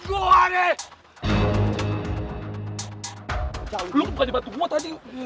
jauh lo kan bukan dibantu gue tadi